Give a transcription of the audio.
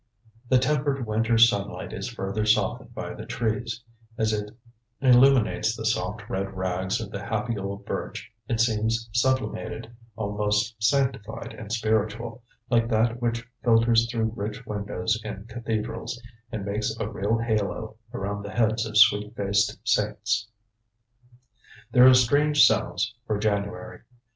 The tempered winter sunlight is further softened by the trees; as it illuminates the soft red rags of the happy old birch it seems sublimated, almost sanctified and spiritual, like that which filters through rich windows in cathedrals, and makes a real halo around the heads of sweet faced saints. There are strange sounds for January.